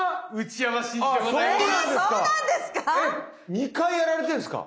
二回やられてるんですか？